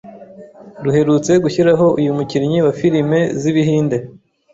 ruherutse gushyiraho uyu mukinnyi wa filime z’ibihinde